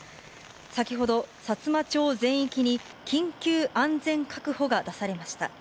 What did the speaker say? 先ほど、さつま町全域に緊急安全確保が出されました。